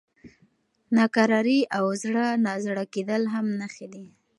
ناکراري او زړه نازړه کېدل هم نښې دي.